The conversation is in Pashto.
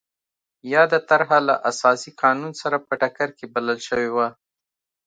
یاده طرحه له اساسي قانون سره په ټکر کې بلل شوې وه.